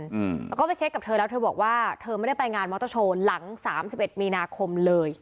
อืมแล้วก็ไปเช็คกับเธอแล้วเธอบอกว่าเธอไม่ได้ไปงานมอเตอร์โชว์หลังสามสิบเอ็ดมีนาคมเลย